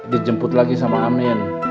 dijemput lagi sama amin